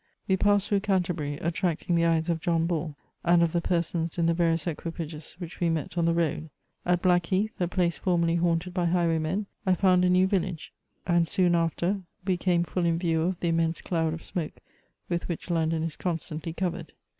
We passed through Canterbury, attracting the eyes of John Bull and of the persons in the various equipages which we met on the road. At Blackheath, a place formerly haunted by highwaymen, I found a new village ; and soon after we came full in view of the immense cloud of smoke with which London is constantly covered.